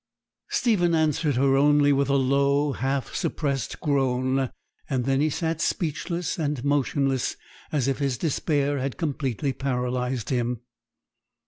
Stephen answered her only with a low, half suppressed groan; and then he sat speechless and motionless, as if his despair had completely paralyzed him.